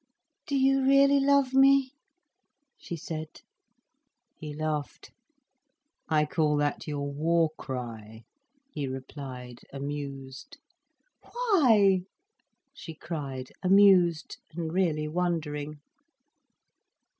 "Do you really love me?" she said. He laughed. "I call that your war cry," he replied, amused. "Why!" she cried, amused and really wondering.